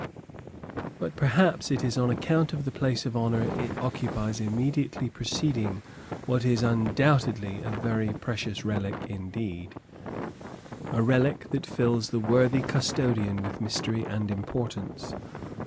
But perhaps it is on account of the place of honor it occupies immediately preceding what is undoubtedly a very precious relic indeed, a relic that fills the worthy custodian with mystery and importance.